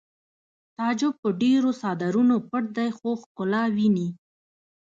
تعجب په ډېرو څادرونو پټ دی خو ښکلا ویني